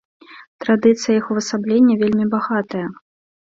Традыцыя іх увасаблення вельмі багатая.